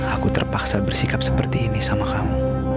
aku terpaksa bersikap seperti ini sama kamu